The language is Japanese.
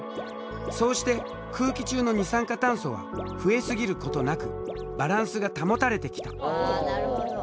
そうして空気中の二酸化炭素は増え過ぎることなくバランスが保たれてきた。